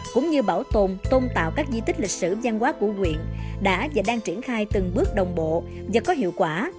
cũng như bảo tồn tôn tạo các di tích lịch sử giang hóa của quyện đã và đang triển khai từng bước đồng bộ và có hiệu quả